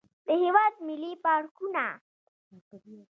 د هېواد ملي پارکونه.